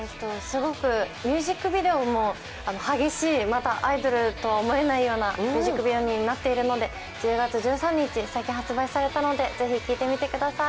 ミュージックビデオも激しい、またアイドルとは思えないようなミュージックビデオになっているので、最近発売されましたのでぜひ聴いてみてください。